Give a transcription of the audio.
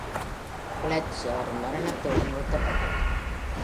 கிளர்ச்சி அவரின் மரணத்தோடு நிறுத்தப்பட்டது.